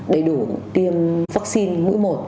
đầy đủ tiêm vaccine mũi một